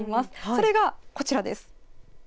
それがこちらです。